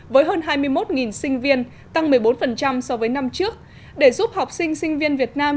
với hơn hai mươi một sinh viên tăng một mươi bốn so với năm trước để giúp học sinh sinh viên việt nam